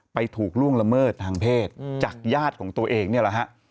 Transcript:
ถูกล่วงละเมิดทางเพศจากญาติของตัวเองนี่แหละฮะ